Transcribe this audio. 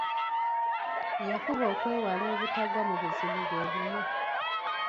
Yafuba okwewala obutagwa mu buzibu bwe bumu.